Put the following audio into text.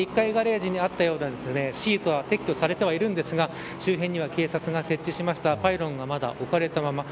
昨日まで１階ガレージにあったようなシートは撤去されてはいるんですが周辺には警察が設置したパイロンがまだ置かれたまま。